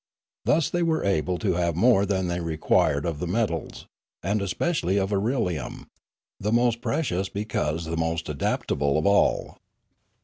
Thus they were able to have more than they required of the metals, and especially of irelium, the most precious because the most adaptable of all.